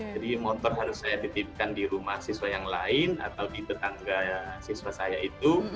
jadi motor harus saya dititipkan di rumah siswa yang lain atau di tetangga siswa saya itu